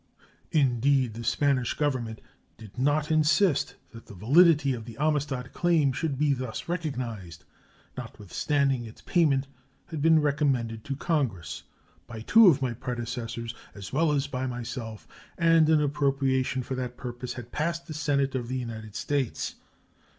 Indeed, the Spanish Government did not insist that the validity of the Amistad claim should be thus recognized, notwithstanding its payment had been recommended to Congress by two of my predecessors, as well as by myself, and an appropriation for that purpose had passed the Senate of the United States.